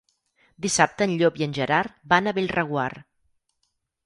Dissabte en Llop i en Gerard van a Bellreguard.